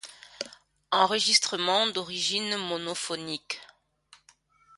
Enregistrement d'origine monophonique.